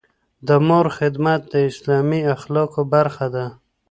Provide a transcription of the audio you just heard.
د مور خدمت د اسلامي اخلاقو برخه ده.